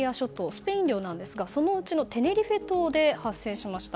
スペイン領ですがそのうちのテネリフェ島で発生しました。